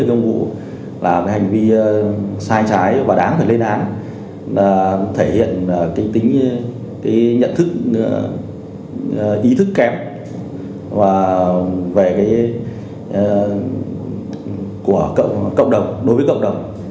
đối với cộng đồng